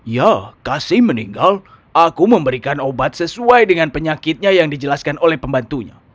ya kasim meninggal aku memberikan obat sesuai dengan penyakitnya yang dijelaskan oleh pembantunya